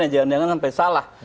jangan jangan sampai salah